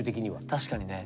確かにね。